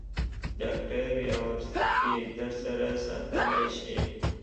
ډاکټر یاورسکي در سره ساتلای شې.